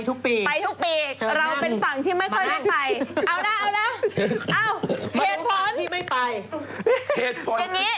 อย่างนี้